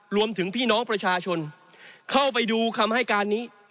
พี่น้องประชาชนเข้าไปดูคำให้การนี้